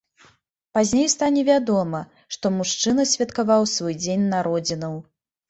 Пазней стане вядома, што мужчына святкаваў свой дзень народзінаў.